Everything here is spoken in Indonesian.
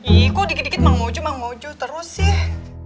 ih kok dikit dikit bang mojo bang mojo terus sih